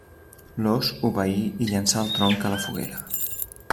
L'ós obeí i llençà el tronc a la foguera.